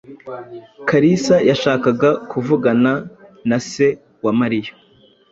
Kalisa yashakaga kuvugana na se wa Mariya.